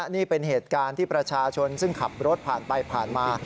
นี่เป็นเหตุการณ์ที่ประชาชนซึ่งขับรถผ่านไปผ่านมา